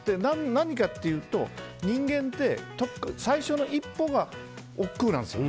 何かっていうと、人間って最初の一歩がおっくうなんですよ。